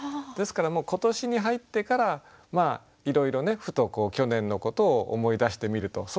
ですからもう今年に入ってからいろいろねふと去年のことを思い出してみると。